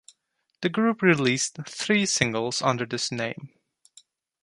The group released three singles under this name.